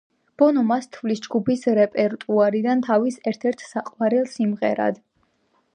ბონო მას თვლის ჯგუფის რეპერტუარიდან თავის ერთ-ერთ საყვარელ სიმღერად.